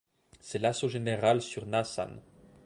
C'est l'assaut général sur Na San.